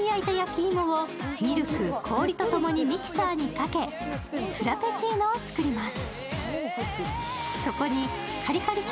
まずは、本当に焼いた焼き芋をミルク、氷とともにミキサーにかけ、フラペチーノを作ります。